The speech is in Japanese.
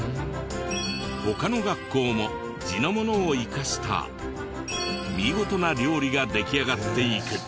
他の学校も地のものを生かした見事な料理が出来上がっていく。